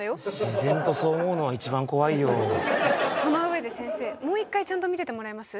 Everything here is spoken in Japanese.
自然とそう思うのは一番怖いよその上で先生もう一回ちゃんと見ててもらえます？